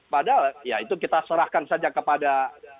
padahal ya itu kita serahkan saja kepada